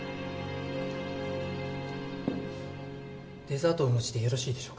デザートをお持ちしてよろしいでしょうか？